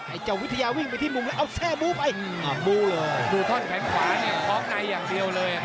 ไอ้เจ้าวิทยาวิ่งไปที่มวงละเอาแทภูเขาไป